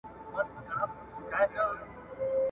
ما خو جهاني ستا په غزل کي اورېدلي وه `